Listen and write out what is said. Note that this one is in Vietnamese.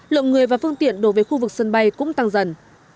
lượng người và phương tiện đổ về khu vực sân bay cũng tăng dần